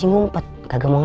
tapi kali ini udah glam horny